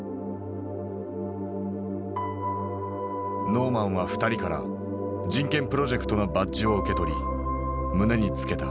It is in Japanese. ノーマンは２人から人権プロジェクトのバッジを受け取り胸に付けた。